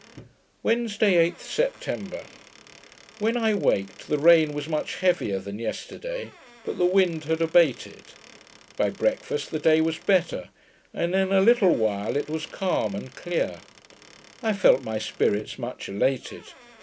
Wednesday, 8th September When I waked, the rain was much heavier than yesterday; but the wind had abated. By breakfast, the day was better, and in a little while it was calm and clear. I felt my spirits much elated.